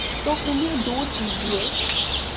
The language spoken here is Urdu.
تو انہیں دور کیجیے۔